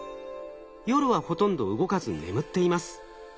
夜はほとんど動かず眠っています。